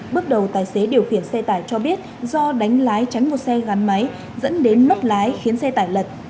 bước đầu tài xế điều khiển xe tải cho biết do đánh lái tránh một xe gắn máy dẫn đến mất lái khiến xe tải lật